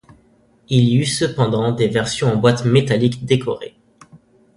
Il y a eu cependant des versions en boîtes métalliques décorées.